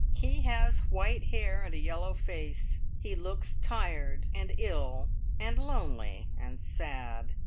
He has white hair and a yellow face. He looks tired and ill, and lonely and sad.